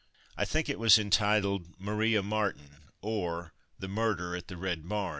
I think it was entitled "Maria Martin; or, the Murder at the Red Barn."